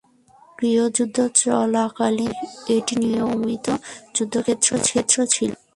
গৃহযুদ্ধ চলাকালীন এটি নিয়মিত যুদ্ধক্ষেত্র ছিল।